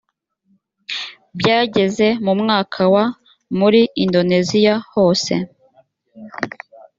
byageze mu mwaka wa… muri indoneziya hose